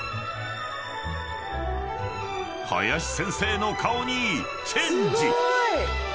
［林先生の顔にチェンジ！］